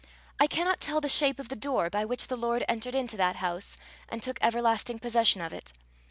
I cannot tell the shape of the door by which the Lord entered into that house, and took everlasting possession of it.